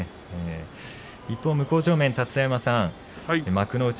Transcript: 一方、向正面の立田山さん幕内